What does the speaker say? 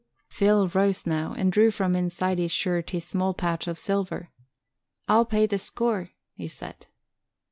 Phil rose now, and drew from inside his shirt his small pouch of silver. "I'll pay the score," he said.